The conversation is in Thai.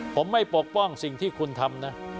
ผมไม่ปกป้องสิ่งที่คุณทำนะ